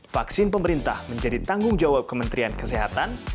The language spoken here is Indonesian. vaksin pemerintah menjadi tanggung jawab kementerian kesehatan